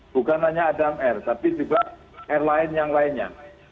bukan hanya adam air tapi juga airline yang lainnya